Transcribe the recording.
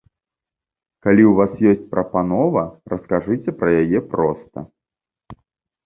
Калі ў вас ёсць прапанова, раскажыце пра яе проста!